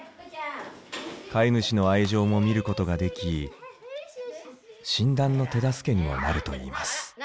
飼い主の愛情も見ることができ診断の手助けにもなるといいます。